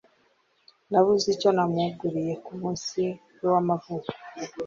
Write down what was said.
Nabuze icyo namugurira kumunsi we w'amavuko.